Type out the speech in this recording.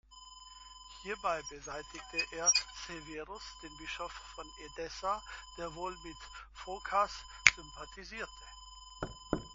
Hierbei beseitigte er Severus, den Bischof von Edessa, der wohl mit Phokas sympathisierte.